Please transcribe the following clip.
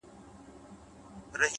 هره پرېکړه راتلونکی رنګوي’